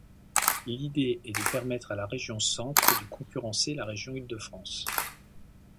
L'idée est de permettre à la région Centre de concurrencer la région Île-de-France.